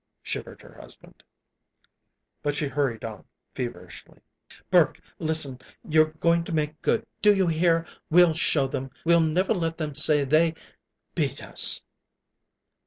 shivered her husband. But she hurried on feverishly. "Burke, listen! You're going to make good. Do you hear? We'll show them. We'll never let them say they beat us!"